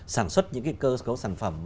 sản xuất những cái cơ cấu sản phẩm